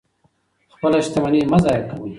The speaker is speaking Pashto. خپله شتمني مه ضایع کوئ.